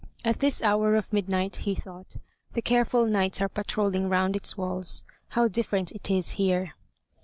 "At this hour of midnight," he thought, "the careful knights are patrolling round its walls. How different it is here!"